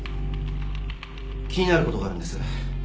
気になることがあるんです。